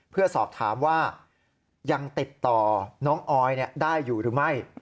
เพื่อสอบถามว่ายังติดต่อน้องออยได้อยู่หรือไม่